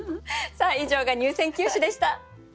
以上が入選九首でした。